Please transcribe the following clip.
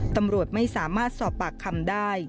ตำรวจไม่สามารถสอบปากคำได้